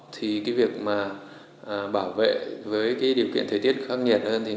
thì việc bảo vệ với điều kiện thời tiết khắc nghiệt hơn